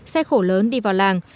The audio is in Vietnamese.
xe khổ lớn đi vào làng